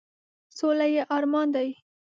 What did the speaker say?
سوله یې ارمان دی ،.